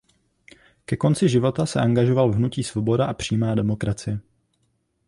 Ke konci života se angažoval v hnutí Svoboda a přímá demokracie.